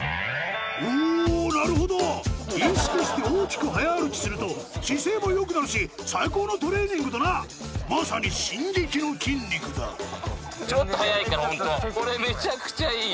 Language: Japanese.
おなるほど意識して大きく早歩きすると姿勢も良くなるし最高のトレーニングだなまさに進撃の筋肉だちょっと速いからホントこれめちゃくちゃいいよ。